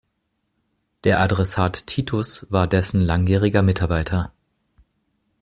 Der Adressat Titus war dessen langjähriger Mitarbeiter.